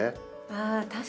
ああ確かに。